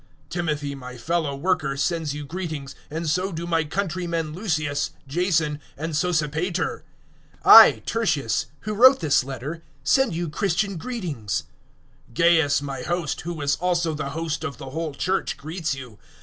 016:021 Timothy, my fellow worker, sends you greetings, and so do my countrymen Lucius, Jason and Sosipater. 016:022 I, Tertius, who write this letter, send you Christian greetings. 016:023 Gaius, my host, who is also the host of the whole Church, greets you.